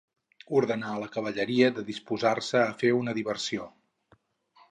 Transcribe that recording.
Ordenà a la cavalleria de disposar-se a fer una diversió.